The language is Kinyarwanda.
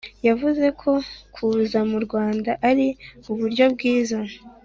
yavuze ko kuza mu rwanda ari uburyo bwiza